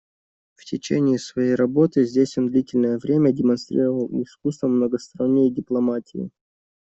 В течение своей работы здесь он длительное время демонстрировал искусство многосторонней дипломатии.